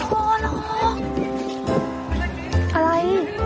อยู่นี่หุ่นใดมาเพียบเลย